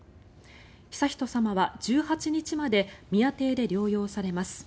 悠仁さまは１８日まで宮邸で療養されます。